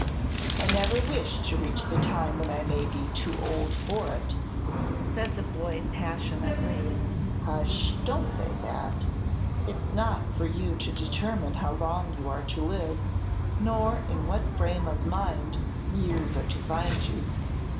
"I never wish to reach the time when I may be too old for it," said the boy, passionately. "Hush! don't say that. It's not for you to determine how long you are to live, nor in what frame of mind years are to find you."